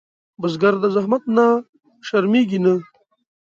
بزګر د زحمت نه شرمېږي نه